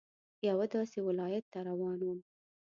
یوه داسې ولايت ته روان وم.